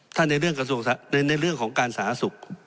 ถ้าในเรื่องของการสาธารณสุข